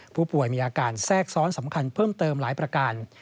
มีอาการแทรกซ้อนสำคัญเพิ่มเติมหลายประการ